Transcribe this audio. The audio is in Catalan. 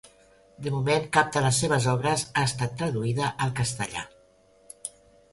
De moment cap de les seves obres ha estat traduïda al castellà.